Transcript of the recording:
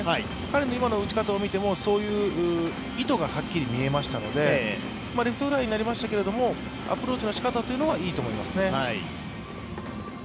彼の今の打ち方を見てもそういう意図がはっきり見えましたのでレフトフライになりましたけれども、アプローチのしかたはいいと思いますね。